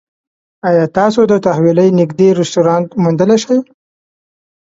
ایا تاسو د تحویلۍ نږدې رستورانت موندلی شئ؟